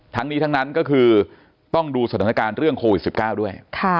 ทั้งนี้ทั้งนั้นก็คือต้องดูสถานการณ์เรื่องโควิด๑๙ด้วย